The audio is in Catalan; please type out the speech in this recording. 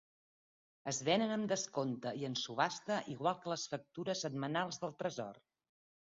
Es venen amb descompte i en subhasta igual que les factures setmanals del Tresor.